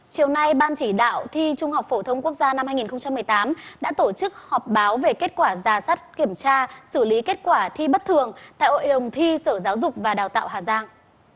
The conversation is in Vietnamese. chiều nay ban chỉ đạo thi trung học phổ thông quốc gia năm hai nghìn một mươi tám đã tổ chức họp báo về kết quả giả sát kiểm tra xử lý kết quả thi bất thường tại hội đồng thi sở giáo dục và đào tạo hà giang